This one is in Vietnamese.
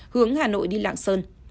hướng hà nội đi lạng sơn